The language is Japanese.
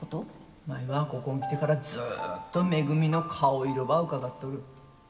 舞は、ここん来てからずっとめぐみの顔色ばうかがっとる。